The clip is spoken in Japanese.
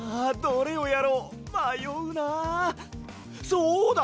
そうだ！